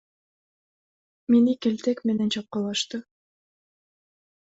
Мени келтек менен чапкылашты.